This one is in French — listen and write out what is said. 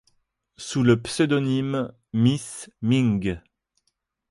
Sous le pseudonyme Miss Ming.